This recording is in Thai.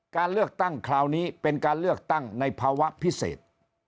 การเลือกตั้งคราวนี้เป็นการเลือกตั้งในภาวะพิเศษ